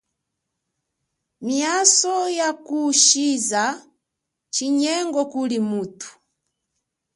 Miaso ya kushiza chinyengo kuli mutu.